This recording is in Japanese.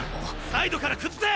サイドから崩せ！